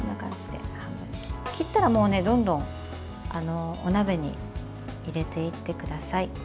切ったら、どんどんお鍋に入れていってください。